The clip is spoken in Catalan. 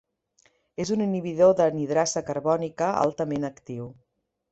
És un inhibidor de anhidrasa carbònica altament actiu.